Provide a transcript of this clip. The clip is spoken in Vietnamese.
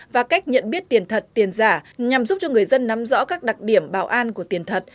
và cách nhận biết tiền thật tiền giả nhằm giúp cho người dân nắm rõ các đặc điểm bảo an của tiền thật